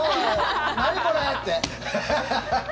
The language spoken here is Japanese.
何これ？って。